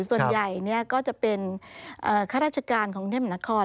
ส่วนใหญ่ก็จะเป็นข้าราชการของกรุงเทพมหานคร